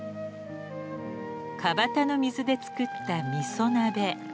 川端の水で作ったみそ鍋。